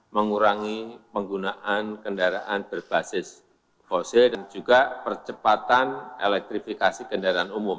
mengurangi penggunaan kendaraan berbasis fosil dan juga percepatan elektrifikasi kendaraan umum